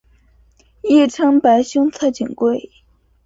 亦称白胸侧颈龟。